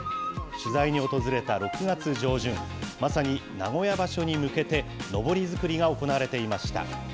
取材に訪れた６月上旬、まさに名古屋場所に向けて、のぼり作りが行われていました。